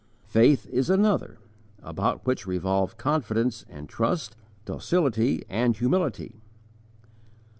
Faith is another, about which revolve confidence and trust, docility and humility.